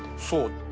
そう。